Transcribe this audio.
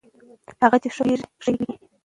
هغه چې ښه پوهېږي، ښه لیکي.